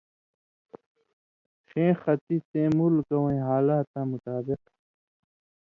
ݜَیں خَطی سَیں مُلکہ وَیں حالاتاں مطابق